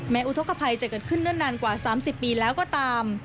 แม้อุทกภัยจะเกิดขึ้นนานกว่า๓๐ปีแล้วก็ตาม